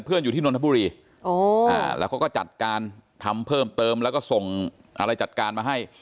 อยู่ที่นนทบุรีแล้วเขาก็จัดการทำเพิ่มเติมแล้วก็ส่งอะไรจัดการมาให้